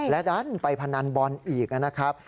และดันไปพนันบอลอีกนะครับ